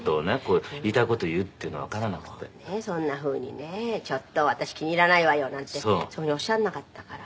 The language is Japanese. そんなふうにね「私気に入らないわよ」なんてそういうふうにおっしゃらなかったから。